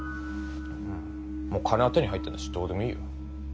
もう金は手に入ったんだしどうでもいいよ。